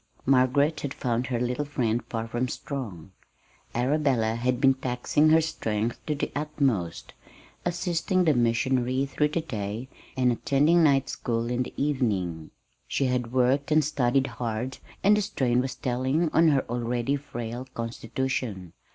Margaret had found her little friend far from strong. Arabella had been taxing her strength to the utmost, assisting the missionary through the day, and attending night school in the evening. She had worked and studied hard, and the strain was telling on her already frail constitution.